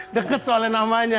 tidak boleh namanya ya